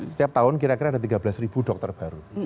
setiap tahun kira kira ada tiga belas dokter baru